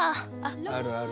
あるある。